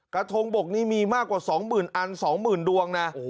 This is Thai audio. กระทงบกนี้มีมากกว่า๒๐๐๐อัน๒๐๐๐ดวงนะ